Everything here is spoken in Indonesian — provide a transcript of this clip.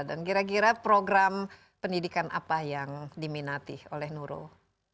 dan kira kira program pendidikan apa yang diminati oleh nurul